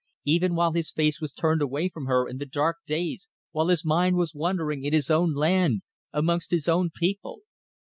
Even while his face was turned away from her in the dark days while his mind was wandering in his own land, amongst his own people.